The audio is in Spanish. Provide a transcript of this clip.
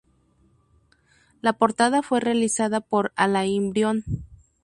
La portada fue realizada por Alain Brion.